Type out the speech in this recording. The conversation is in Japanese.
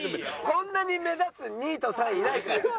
こんなに目立つ２位と３位いないから。